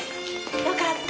よかった！